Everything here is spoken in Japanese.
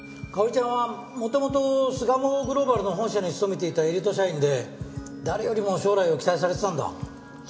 香織ちゃんは元々巣鴨グローバルの本社に勤めていたエリート社員で誰よりも将来を期待されてたんだ。